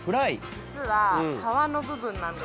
実は皮の部分なんです。